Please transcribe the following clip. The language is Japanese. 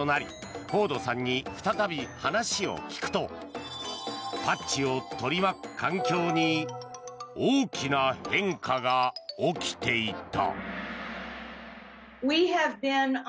まもなく１か月となりフォードさんに再び話を聞くとパッチを取り巻く環境に大きな変化が起きていた。